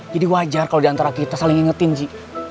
jadi wajar kalau diantara kita saling ngingetin ji